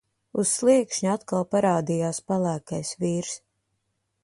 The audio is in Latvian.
Uz sliekšņa atkal parādījās pelēkais vīrs.